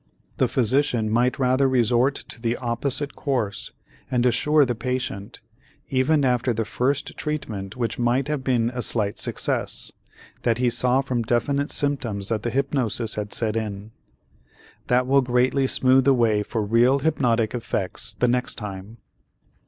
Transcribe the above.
The physician might rather resort to the opposite course and assure the patient, even after the first treatment which might have been a slight success, that he saw from definite symptoms that hypnosis had set in. That will greatly smooth the way for real hypnotic effects the next time.